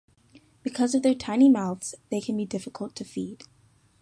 Because of their tiny mouths, they can be difficult to feed.